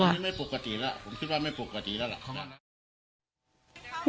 ไม่ปกติแล้วผมคิดว่าไม่ปกติแล้ว